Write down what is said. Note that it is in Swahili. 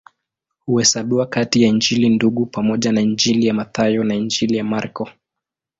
Huhesabiwa kati ya Injili Ndugu pamoja na Injili ya Mathayo na Injili ya Marko.